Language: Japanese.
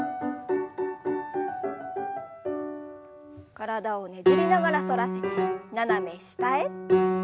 体をねじりながら反らせて斜め下へ。